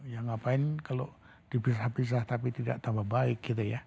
ya ngapain kalau dipisah pisah tapi tidak tambah baik gitu ya